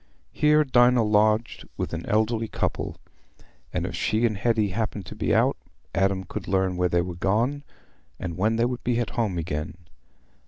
Here Dinah lodged with an elderly couple; and if she and Hetty happened to be out, Adam could learn where they were gone, or when they would be at home again.